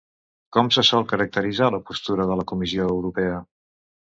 Com se sol caracteritzar la postura de la Comissió Europea?